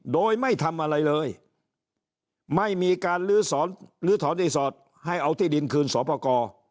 โดยไม่ทำอะไรเลยไม่มีการลื้อถอนที่สอดให้เอาที่ดินคืนสค